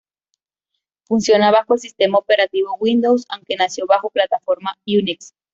Funciona bajo el sistema operativo Windows, aunque nació bajo plataforma Unix.